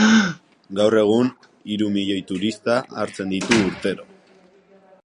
Gaur egun hiru milioi turista hartzen ditu urtero.